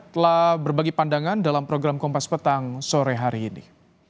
telah berbagi pandangan dalam program kompas petang sore hari ini